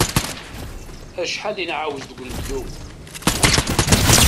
Acḥal i nεawez deg unebdu!